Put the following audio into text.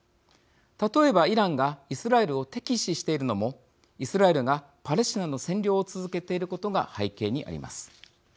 例えば、イランがイスラエルを敵視しているのもイスラエルがパレスチナの占領を続けていることが背景にあります。